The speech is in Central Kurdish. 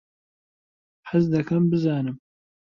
حەز دەکەم بزانم.